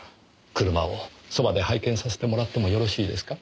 車をそばで拝見させてもらってもよろしいですか？